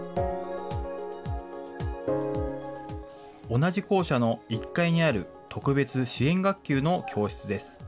同じ校舎の１階にある特別支援学級の教室です。